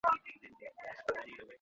তবু একদিন সন্ধ্যায় দেখা হয়ে গেল।